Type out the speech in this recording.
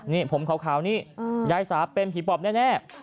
นี่ผมขาวนี่ยายสาเป็นผีปอบแน่